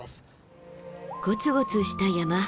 ゴツゴツした山肌。